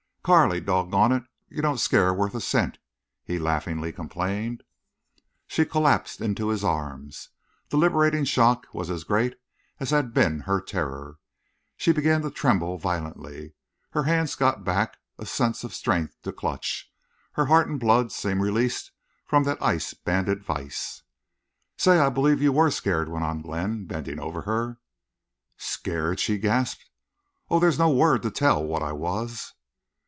"Carley, dog gone it! You don't scare worth a cent," he laughingly complained. She collapsed into his arms. The liberating shock was as great as had been her terror. She began to tremble violently. Her hands got back a sense of strength to clutch. Heart and blood seemed released from that ice banded vise. "Say, I believe you were scared," went on Glenn, bending over her. "Scar ed!" she gasped. "Oh—there's no word—to tell—what I was!"